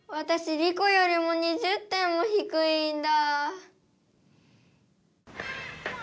リコよりも２０点もひくいんだ。